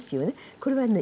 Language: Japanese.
これはね